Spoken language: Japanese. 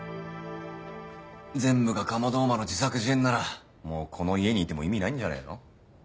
全部がカマドウマの自作自演ならもうこの家にいても意味ないんじゃねえの？